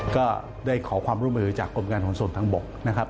ก็ได้ขอความร่วมมือจากกรมการขนส่งทางบกนะครับ